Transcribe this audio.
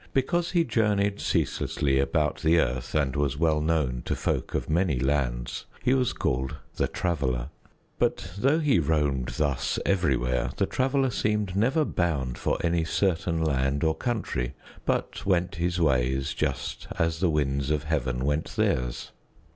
Because he journeyed ceaselessly about the earth and was well known to folk of many lands, he was called the Traveler. But though he roamed thus everywhere, the Traveler seemed never bound for any certain land or country but went his ways just as the winds of heaven went theirs.